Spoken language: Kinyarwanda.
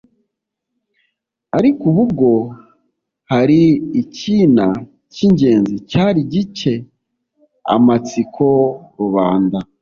ariko ubu bwo, hari ikinta cy'ingenzi cyari gitcye amatsiko rubanda.